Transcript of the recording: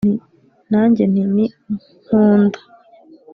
nanjye nti ni nkunda